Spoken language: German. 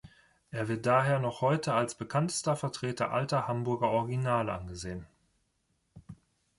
Er wird daher noch heute als bekanntester Vertreter alter Hamburger Originale angesehen.